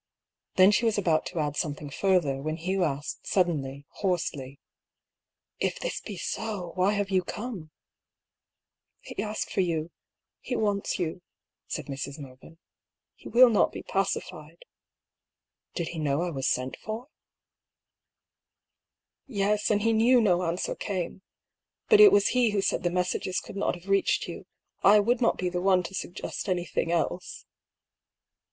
Then she was about to add something further, when Hugh asked, suddenly, hoarsely :" If this be so, why have you come ?"" He asked for you — he wants you," said Mrs. Mer vyn. " He will not be pacified." " Did he know I was sent for?" " Yes ; and he knew no answer came. But it was he who said the messages could not have reached you. I would not be the one to suggest anything else."